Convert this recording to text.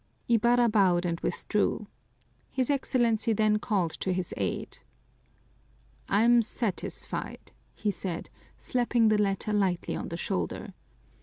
Ibarra bowed and withdrew. His Excellency then called to his aide. "I'm satisfied," he said, slapping the latter lightly on the shoulder.